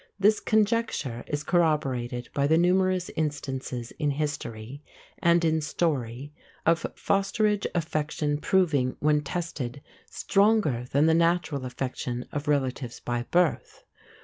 This conjecture is corroborated by the numerous instances in history and in story of fosterage affection proving, when tested, stronger than the natural affection of relatives by birth.